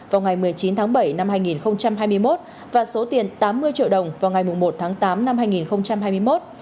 vào ngày một mươi chín tháng bảy năm hai nghìn hai mươi một và số tiền tám mươi triệu đồng vào ngày một tháng tám năm hai nghìn hai mươi một